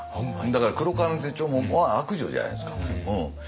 だから「黒革の手帖」は悪女じゃないですか。